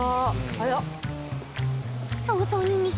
早っ。